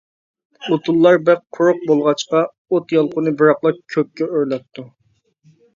ئوتۇنلار بەك قۇرۇق بولغاچقا، ئوت يالقۇنى بىراقلا كۆككە ئۆرلەپتۇ.